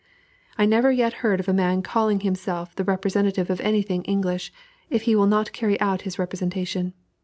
I never yet heard of a man calling himself the representative of any thing English, if he will not carry out his representation.